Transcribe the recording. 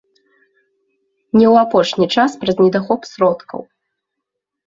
Не ў апошні час праз недахоп сродкаў.